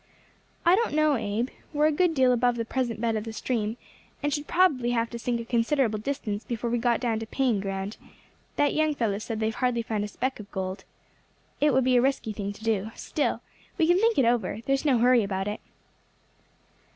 "I don't know, Abe. We are a good deal above the present bed of the stream, and should probably have to sink a considerable distance before we got down to paying ground; that young fellow said they have hardly found a speck of gold. It would be a risky thing to do; still, we can think it over, there's no hurry about it."